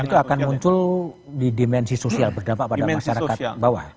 dan itu akan muncul di dimensi sosial berdampak pada masyarakat bawah